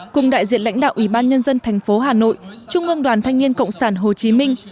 cùng đại diện lãnh đạo ủy ban nhân dân thành phố hà nội trung ương đoàn thanh niên cộng sản hồ chí minh